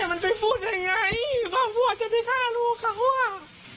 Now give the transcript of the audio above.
แล้วพ่อแม่มันไปพูดยังไงพ่อพ่อจะไปฆ่าลูกครับว่า